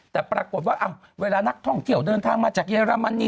แต่ปรากฏว่าเวลานักท่องเที่ยวเดินทางมาจากเยอรมนี